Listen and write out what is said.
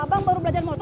abang baru belajar motor